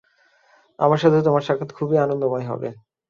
আমার সাথে তোমার সাক্ষাৎ খুবই আনন্দময় হবে।